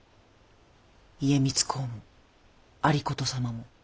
家光公も有功様も。